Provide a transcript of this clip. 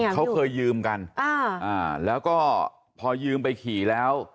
เขาเคยยืมกันแล้วก็พอยืมไปขี่แล้ว